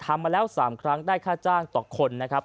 มาแล้ว๓ครั้งได้ค่าจ้างต่อคนนะครับ